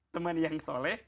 teman yang soleh